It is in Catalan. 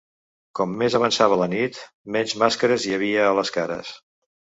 Com més avançava la nit, menys màscares hi havia a les cares.